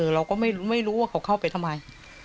เราก็ไม่รู้ว่าเขาเข้าไปทำไม